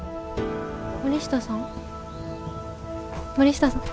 森下さん？